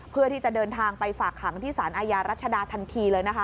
เพื่อที่จะเดินทางไปฝากขังที่สารอาญารัชดาทันทีเลยนะคะ